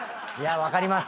分かります。